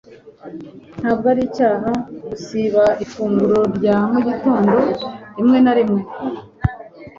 Ntabwo ari icyaha gusiba ifunguro rya mu gitondo rimwe na rimwe.